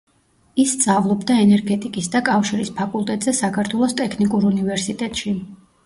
ის სწავლობდა ენერგეტიკის და კავშირის ფაკულტეტზე საქართველოს ტექნიკურ უნივერსიტეტში.